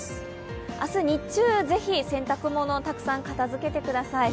明日、日中ぜひ洗濯物たくさん片づけてください。